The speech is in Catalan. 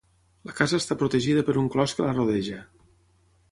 La casa està protegida per un clos que la rodeja.